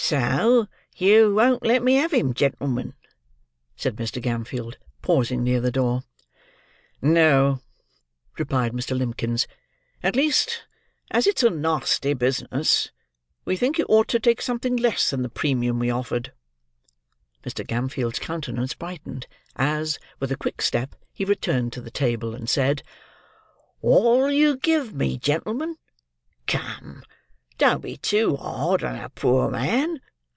"So you won't let me have him, gen'l'men?" said Mr. Gamfield, pausing near the door. "No," replied Mr. Limbkins; "at least, as it's a nasty business, we think you ought to take something less than the premium we offered." Mr. Gamfield's countenance brightened, as, with a quick step, he returned to the table, and said, "What'll you give, gen'l'men? Come! Don't be too hard on a poor man.